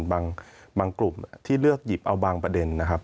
บางกลุ่มที่เลือกหยิบเอาบางประเด็นนะครับ